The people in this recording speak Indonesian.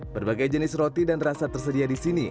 berbagai jenis roti dan rasa tersedia disini